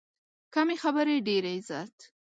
کمې خبرې، ډېر عزت.